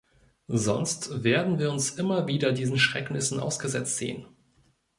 Sonst werden wir uns immer wieder diesen Schrecknissen ausgesetzt sehen.